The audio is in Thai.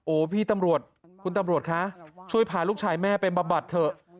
พี่ตำรวจคุณตำรวจคะช่วยพาลูกชายแม่ไปบำบัดเถอะ